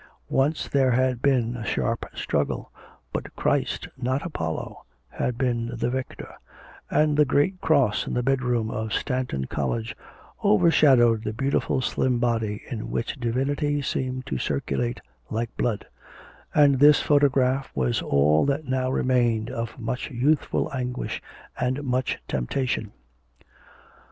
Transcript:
Once there had been a sharp struggle, but Christ, not Apollo, had been the victor, and the great cross in the bedroom of Stanton College overshadowed the beautiful slim body in which Divinity seemed to circulate like blood; and this photograph was all that now remained of much youthful anguish and much temptation.